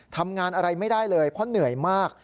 ทำงานอะไรไม่ได้เลยเพราะเหนื่อยมาก